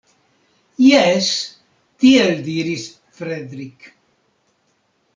Jes, tiel diris Fredrik!